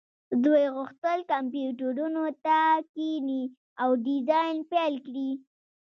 دوی غوښتل کمپیوټرونو ته کښیني او ډیزاین پیل کړي